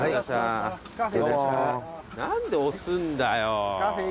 何で押すんだよー。